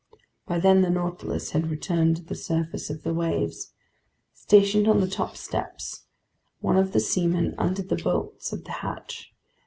By then the Nautilus had returned to the surface of the waves. Stationed on the top steps, one of the seamen undid the bolts of the hatch.